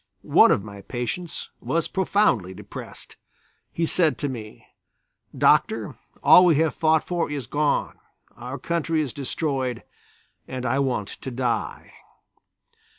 One of my patients was profoundly depressed. He said to me: "Doctor, all we have fought for is gone. Our country is destroyed, and I want to die."